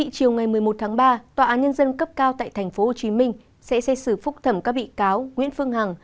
chiều một mươi một ba tòa án nhân dân cấp cao tại tp hcm sẽ xây xử phúc thẩm các bị cáo nguyễn phương hằng